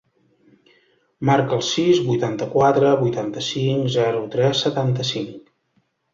Marca el sis, vuitanta-quatre, vuitanta-cinc, zero, tres, setanta-cinc.